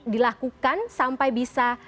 dilakukan sampai bisa